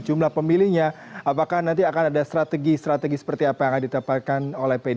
jumlah pemilihnya apakah nanti akan ada strategi strategi seperti apa yang ditampilkan oleh